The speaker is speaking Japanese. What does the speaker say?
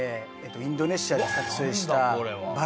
インドネシアで撮影した何だ？